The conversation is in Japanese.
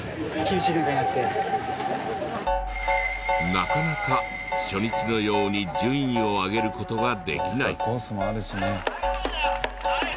なかなか初日のように順位を上げる事ができない。